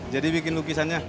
jadi bikin lukisannya